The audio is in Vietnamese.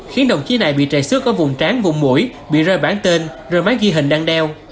khiến đồng chí này bị trầy xước ở vùng tráng vùng mũi bị rơi bản tên rơi máy ghi hình đăng đeo